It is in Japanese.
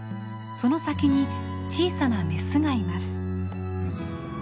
その先に小さなメスがいます。